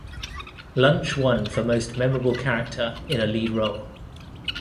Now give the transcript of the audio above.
Lunch won for most memorable character in a lead role.